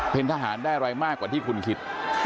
เป็นทหารได้อะไรมากกว่าที่คุณคิด